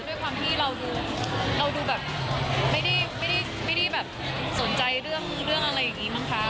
ด้วยความที่เราดูแบบไม่ได้แบบสนใจเรื่องอะไรอย่างนี้มั้งคะ